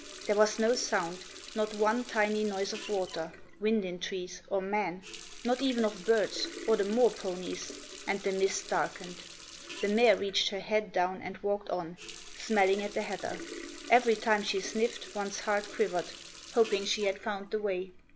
There was no sound, not one tiny noise of water, wind in trees, or man; not even of birds or the moor ponies. And the mist darkened. The mare reached her head down and walked on, smelling at the heather; every time she sniffed, one's heart quivered, hoping she had found the way.